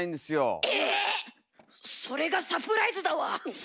それがサプライズだわ。